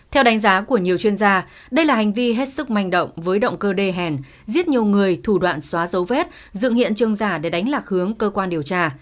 theo đánh giá của nhiều chuyên gia đây là hành vi hết sức manh động với động cơ đê hèn giết nhiều người thủ đoạn xóa dấu vết dựng hiện trường giả để đánh lạc hướng cơ quan điều tra